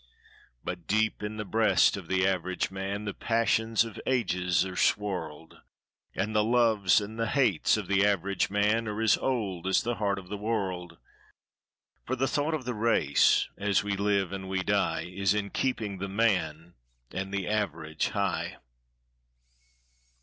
But deep in the breast of the Average ManThe passions of ages are swirled, And the loves and the hates of the Average ManAre old as the heart of the world—For the thought of the Race, as we live and we die, Is in keeping the Man and the Average high.